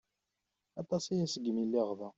Aṭas-aya segmi lliɣ da.